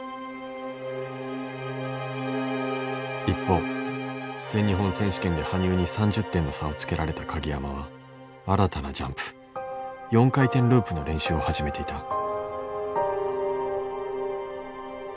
一方全日本選手権で羽生に３０点の差をつけられた鍵山は新たなジャンプ４回転ループの練習を始めていた。